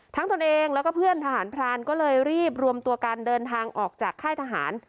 ตนเองแล้วก็เพื่อนทหารพรานก็เลยรีบรวมตัวกันเดินทางออกจากค่ายทหาร